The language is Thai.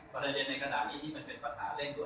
เพื่อที่จะทำศาลเงิน